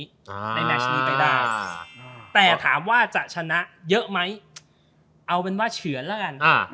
ในแมชนี้ไปได้อ่าแต่ถามว่าจะชนะเยอะไหมเอาเป็นว่าเฉือนแล้วกันอ่า